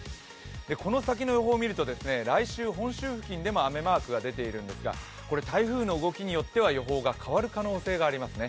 この先の予報を見ると、来週本州付近でも雨マークが出ているんですが台風の動きによっては予報が変わる可能性があります。